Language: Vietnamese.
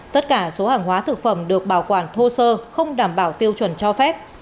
tất cả số hàng hóa thực phẩm được bảo quản thô sơ không đảm bảo tiêu chuẩn cho phép